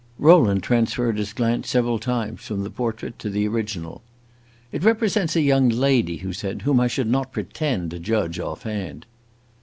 Rowland transferred his glance several times from the portrait to the original. "It represents a young lady," he said, "whom I should not pretend to judge off hand."